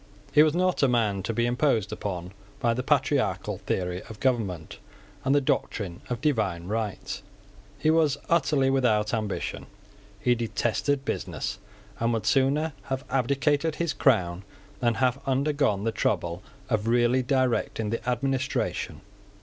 He was not a man to be imposed upon by the patriarchal theory of government and the doctrine of divine right. He was utterly without ambition. He detested business, and would sooner have abdicated his crown than have undergone the trouble of really directing the administration.